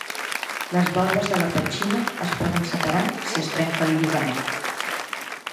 Les valves de la petxina es poden separar si es trenca el lligament.